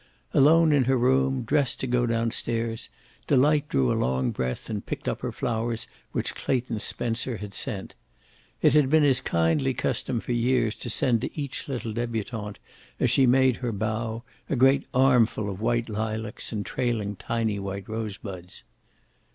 Alone in her room, dressed to go down stairs, Delight drew a long breath and picked up her flowers which Clayton Spencer had sent. It had been his kindly custom for years to send to each little debutante, as she made her bow, a great armful of white lilacs and trailing tiny white rosebuds.